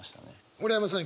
村山さん